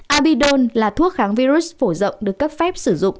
abidon là thuốc kháng virus phổ rộng được cấp phép sử dụng